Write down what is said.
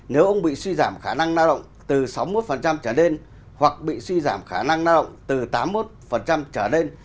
nếu ông bị suy giảm khả năng lao động từ sáu mươi một trở lên hoặc bị suy giảm khả năng lao động từ tám mươi một trở lên